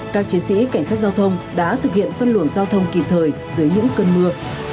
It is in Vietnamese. các chiến sĩ cảnh sát giao thông đã thực hiện phân luồng giao thông kịp thời dưới những cơn mưa